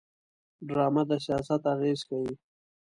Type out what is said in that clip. ډرامه د سیاست اغېز ښيي